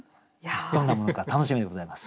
どんなものか楽しみでございます。